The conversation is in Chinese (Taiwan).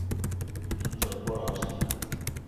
能者過勞死